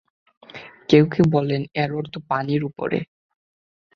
কেউ কেউ বলেন, এর অর্থ পানির উপরে।